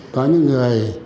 có những người